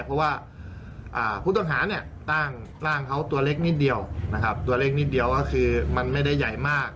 เพราะว่าผู้ต้องหาเนี่ยตั้งร่างเขาตัวเล็กนิดเดียวนะครับตัวเล็กนิดเดียวก็คือมันไม่ได้ใหญ่มาก